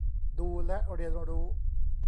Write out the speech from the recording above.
ดูและเรียนรู้